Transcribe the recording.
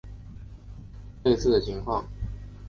类似的情况也出现在很多其他化合物中。